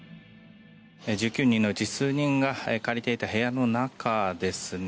１９人のうち数人が借りていた部屋の中ですね。